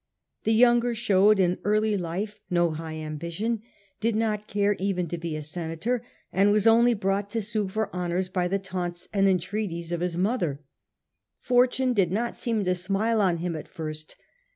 The younger showed in early life no high ambition, did not care even to be senator, and was only brought to sue for honours by the taunts and entreaties of his mother. Fortune did not seem to smile on him at first.